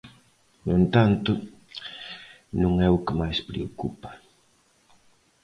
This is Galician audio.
No entanto, non é o que máis preocupa.